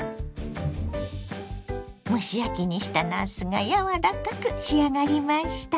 蒸し焼きにしたなすが柔らかく仕上がりました。